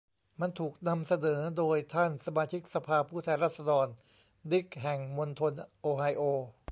มันถูกนำเสนอโดยท่าน สมาชิกสภาผู้แทนราษฎร ดิ๊ก แห่งมลรัฐโอไฮโอ